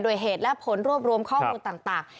โดยเหตุและผลรวบรวมข้อมูลต่าง